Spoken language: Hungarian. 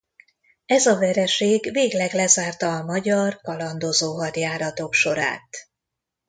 Ez a vereség végleg lezárta a magyar kalandozó hadjáratok sorát.